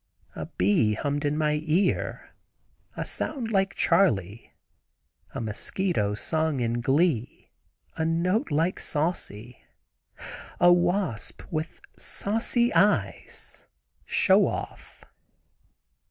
A bee hummed in my ear—a sound like Charley; a mosquito sung in glee—a note like Saucy; a wasp with saucy eyes—Show Off.